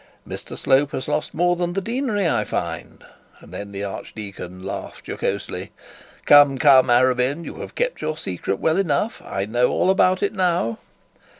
'Mr Slope has lost more than the deanery, I find,' and then the archdeacon laughed jocosely. 'Come, come, Arabin, you have kept your secret well enough. I know all about it now.'